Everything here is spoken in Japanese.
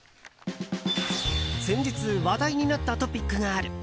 先日、話題になったトピックがある。